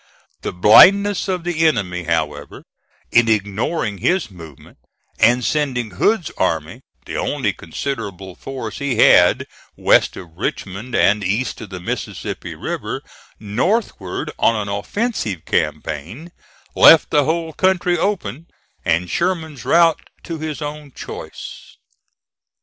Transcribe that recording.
The blindness of the enemy, however, in ignoring his movement, and sending Hood's army, the only considerable force he had west of Richmond and east of the Mississippi River, northward on an offensive campaign, left the whole country open, and Sherman's route to his own choice.